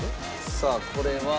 さあこれは。